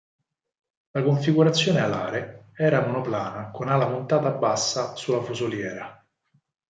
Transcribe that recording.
La configurazione alare era monoplana con ala montata bassa sulla fusoliera..